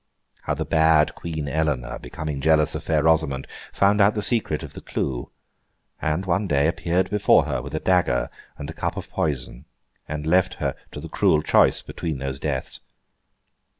How the bad Queen Eleanor, becoming jealous of Fair Rosamond, found out the secret of the clue, and one day, appeared before her, with a dagger and a cup of poison, and left her to the choice between those deaths.